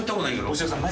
大城さん